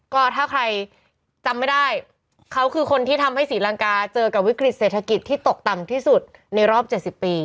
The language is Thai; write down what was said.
ก็ถ้าใครจำไม่ได้เขาคือคนที่ทำให้ศรีลังกาเจอกับวิกฤตเศรษฐกิจที่ตกต่ำที่สุดในรอบ๗๐ปี